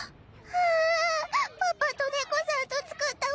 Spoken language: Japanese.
ああパパと猫さんと作ったお城が。